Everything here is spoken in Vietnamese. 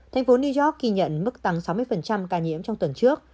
thành phố new york ghi nhận mức tăng sáu mươi ca nhiễm trong tuần trước